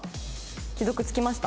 既読つきました？